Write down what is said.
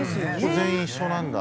全員一緒なんだ。